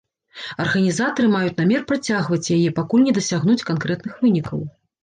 Арганізатары маюць намер працягваць яе, пакуль не дасягнуць канкрэтных вынікаў.